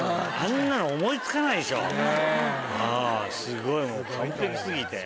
すごいもう完璧過ぎて。